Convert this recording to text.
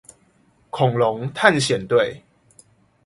恐龍探險隊